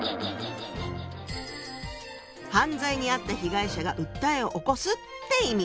「犯罪に遭った被害者が訴えを起こす」って意味。